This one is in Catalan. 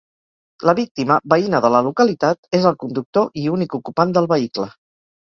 La víctima, veïna de la localitat, és el conductor i únic ocupant del vehicle.